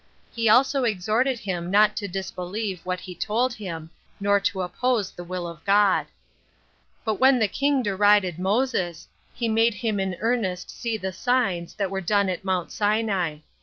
He also exhorted him not to disbelieve what he told him, nor to oppose the will of God. 3. But when the king derided Moses; he made him in earnest see the signs that were done at Mount Sinai.